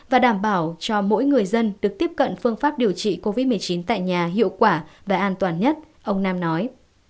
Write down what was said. và đảm bảo cho mỗi người dân được tiếp cận phương pháp điều trị covid một mươi chín tại nhà hiệu quả và an toàn nhất ông nam nói